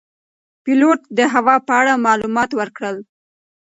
پیلوټ د هوا په اړه معلومات ورکړل.